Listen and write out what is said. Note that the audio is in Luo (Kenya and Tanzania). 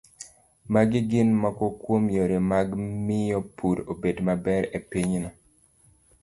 Magi gin moko kuom yore mag miyo pur obed maber e pinyno